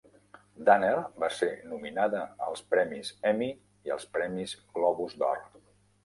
Danner va ser nominada als Premis Emmy i als Premis Globus d'Or.